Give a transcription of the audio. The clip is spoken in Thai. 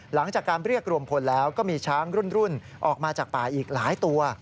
หลังจากการเรียกรวมพลแล้วก็มีช้างรุ่นออกมาจากป่าอีกหลายตัว